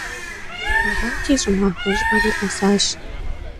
Arati ş'ımaxue ş'ı'eri khesaş.